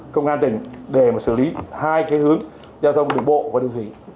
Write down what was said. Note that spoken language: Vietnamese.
công an tỉnh để mà xử lý hai cái hướng giao thông đường bộ và đường thủy